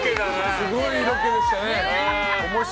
すごいロケでしたね。